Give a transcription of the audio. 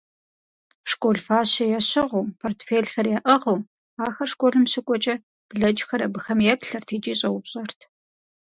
Школ фащэ ящыгъыу, портфелхэр яӀыгъыу ахэр школым щыкӀуэкӀэ, блэкӀхэр абыхэм еплъырт икӀи щӀэупщӀэрт: